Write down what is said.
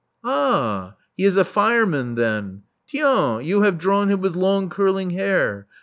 Ah! He is a fireman then. Tiens! you have drawn him with long curling hair!